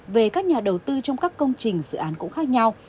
về các nhà đầu tư trong các công trình dự án cũng khác nhau